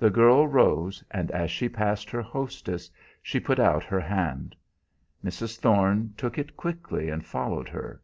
The girl rose, and as she passed her hostess she put out her hand. Mrs. Thorne took it quickly and followed her.